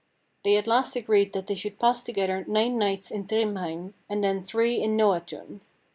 They at last agreed that they should pass together nine nights in Thrymheim, and then three in Noatun.